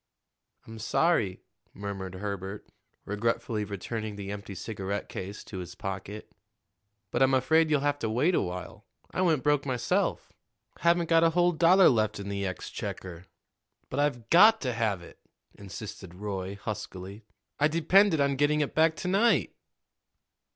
"I'm sorry," murmured Herbert, regretfully returning the empty cigarette case to his pocket; "but I'm afraid you'll have to wait a while. I went broke myself haven't got a whole dollar left in the exchequer." "But I've got to have it," insisted Roy huskily. "I depended on getting it back to night."